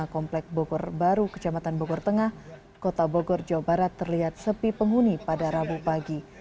komplek bogor baru kecamatan bogor tengah kota bogor jawa barat terlihat sepi penghuni pada rabu pagi